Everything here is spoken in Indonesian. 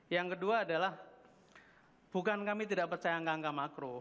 yang kedua adalah bukan kami tidak percaya angka angka makro